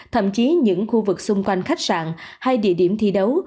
thậm chí những khu vực xung quanh khách sạn hay địa điểm thi đấu